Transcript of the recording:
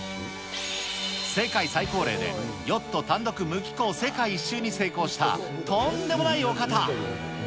世界最高齢でヨット単独無寄港世界一周に成功した、とんでもないお方。